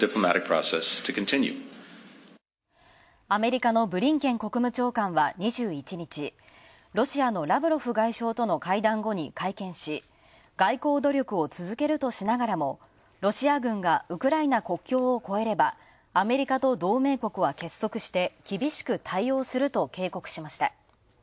アメリカのブリンケン国務長官は２１日、ロシアのラブロフ外相との会談後に会見し外交努力を続けるとしながらもロシア軍がウクライナ国境を越えればアメリカと同盟国は結束して厳しく対応すると警告しました。